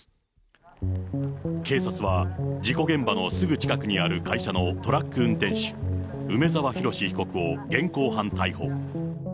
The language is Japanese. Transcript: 警察は、事故現場のすぐ近くにある会社のトラック運転手、梅沢洋被告を現行犯逮捕。